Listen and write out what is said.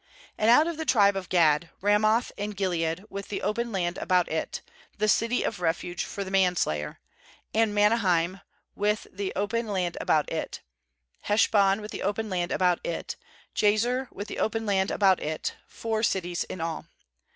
] 3*And out of the tribe of Gad, Ramoth in Gilead with the open land about it, the city of refuge for the manslayer, and Mahanaim with the open land about it; 39Heshbon with the open land about it, Jazer with the open land about it; four cities in aft.